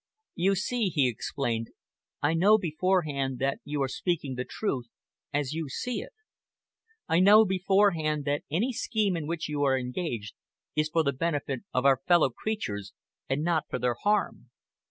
"You see," he explained, "I know beforehand that you are speaking the truth as you see it. I know beforehand that any scheme in which you are engaged is for the benefit of our fellow creatures and not for their harm.